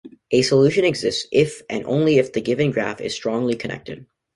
A solution exists if and only if the given graph is strongly connected.